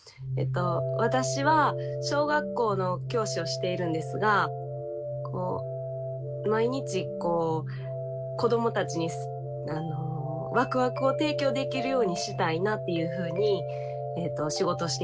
私は小学校の教師をしているんですが毎日子どもたちにワクワクを提供できるようにしたいなっていうふうに仕事をしています。